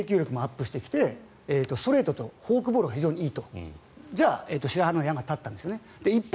最近、藤浪投手は制球力もアップしてきてストレートとフォークボールがいいと白羽の矢が立ったんですね。